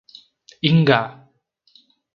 Ingá